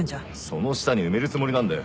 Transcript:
その下に埋めるつもりなんだよ。